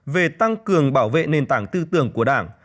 về tăng cường bảo vệ nền tảng tư tưởng của đảng